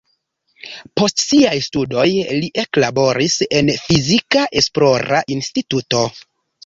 Post siaj studoj li eklaboris en fizika esplora instituto.